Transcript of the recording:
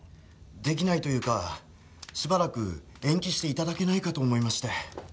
出来ないというかしばらく延期して頂けないかと思いまして。